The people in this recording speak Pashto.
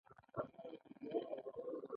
محرمیت د قرارداد یو بل مهم شرط دی.